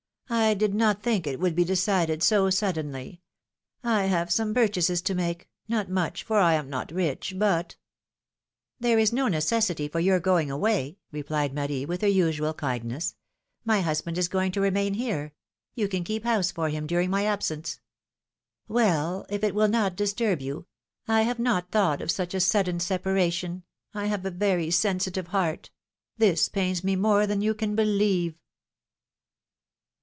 I did not think it would be decided so suddenly — I have some purchases to make; not much, for I am not rich, but — There is no necessity for your going away,^^ replied Marie, with her usual kindness; "my husband is going to remain here ; you can keep house for him during my absence.^^ "Well, if it will not disturb you — I have not thought of such a sudden separation — I have a very sensitive heart ! This pains me more than you can believe."